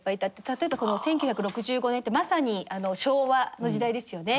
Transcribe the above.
例えばこの１９６５年ってまさに昭和の時代ですよね。